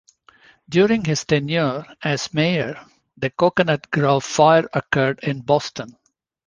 During his tenure as mayor, the Cocoanut Grove fire occurred in Boston.